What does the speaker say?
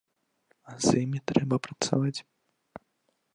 А з імі трэба працаваць!